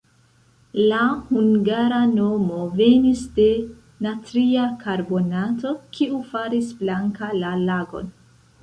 La hungara nomo venis de natria karbonato, kiu faris blanka la lagon.